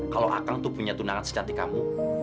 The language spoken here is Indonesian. kalau saya memiliki tunangan yang sehat seperti kamu